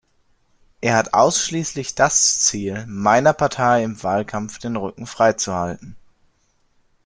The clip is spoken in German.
Er hat ausschließlich das Ziel, meiner Partei im Wahlkampf den Rücken freizuhalten“.